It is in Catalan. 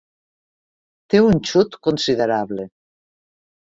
Té un xut considerable.